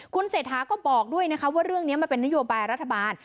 คุณเศรษฐาก็บอกด้วยนะคะว่าเรื่องนี้มันเป็นนโยบายรัฐบาล